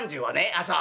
「あっそう。